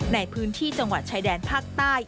ในพื้นที่จังหวัดชายแดนภาคใต้